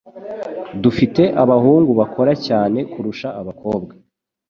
dufite abahungu bakora cyane kurusha abakobwa